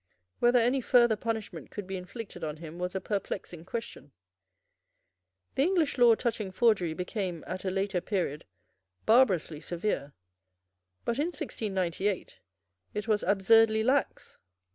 Whether any further punishment could be inflicted on him was a perplexing question. The English law touching forgery became, at a later period, barbarously severe; but, in 1698, it was absurdly lax.